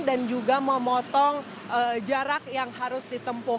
dan juga memotong jarak yang harus ditempuh